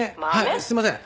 すいません。